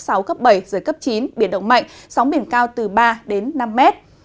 giật cấp bảy giật cấp chín biển động mạnh sóng biển cao từ ba năm m